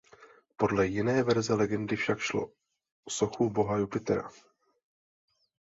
Podle jiné verze legendy však šlo sochu boha Jupitera.